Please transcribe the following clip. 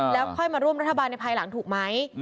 แล้วค่อยมาร่วมรัฐบาลในภายหลังถูกไหม